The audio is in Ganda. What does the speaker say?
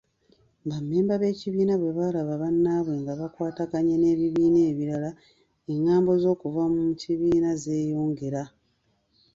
Bammemba b'ekibiina bwe balaba bannaabwe nga bakwataganye n'ebibiina ebirala, engambo z'okuva mu kibiina zeyongera.